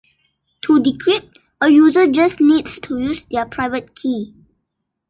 To decrypt, a user just needs to use their private key.